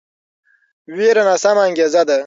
ویره ناسمه انګیزه ده